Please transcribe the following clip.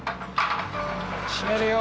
閉めるよ。